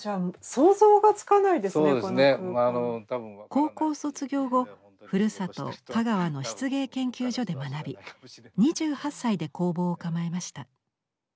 高校卒業後ふるさと香川の漆芸研究所で学び２８歳で工房を構えました。